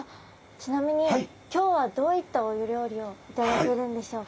ちなみに今日はどういったお料理を頂けるんでしょうか？